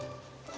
ami kenapa sih